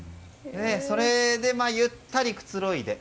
それでゆったりくつろいで。